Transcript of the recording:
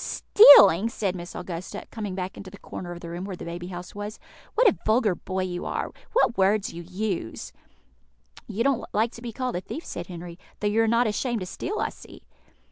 "Stealing!" said Miss Augusta, coming back into the corner of the room where the baby house was; "what a vulgar boy you are! What words you use!" "You don't like to be called a thief," said Henry, "though you are not ashamed to steal, I see."